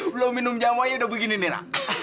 belum minum jamu aja udah begini nih ra